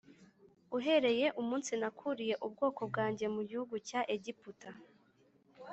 uhereye umunsi nakuriye ubwoko bwanjye mu gihugu cya Egiputa